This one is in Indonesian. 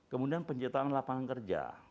kemudian penciptaan lapangan kerja